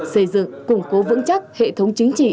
xây dựng củng cố vững chắc hệ thống chính trị